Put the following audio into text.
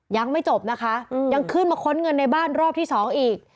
ยังไม่จบนะคะยังขึ้นมาค้นเงินในบ้านรอบที่สองอีก